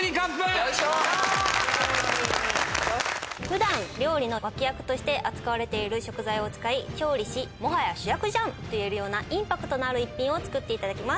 普段料理の脇役として扱われている食材を使い調理しもはや主役じゃん！と言えるようなインパクトのある一品を作って頂きます。